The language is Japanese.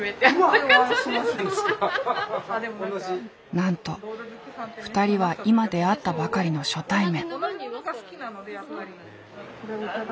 なんと２人は今出会ったばかりの初対面。